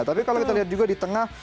tapi kalau kita lihat juga di tengah